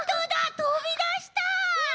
とびだした！